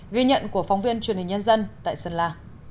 ghi nhận của phóng viên truyền hình nhân dân tại sơn la